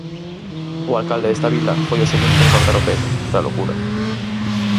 O alcalde desta vila foi o seguinte en cortar o pelo, tralo cura.